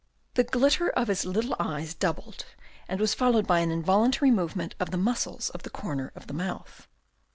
The glitter of his little eyes doubled and was followed by an involuntary movement of the muscles of the corner of the mouth.